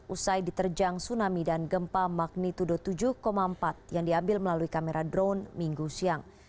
usai diterjang tsunami dan gempa magnitudo tujuh empat yang diambil melalui kamera drone minggu siang